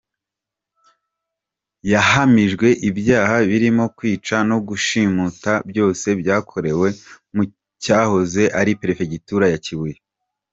Yahamijwe ibyaha birimo kwica no gushimuta, byose byakorewe mu cyahoze ari Perefegitura ya Kibuye.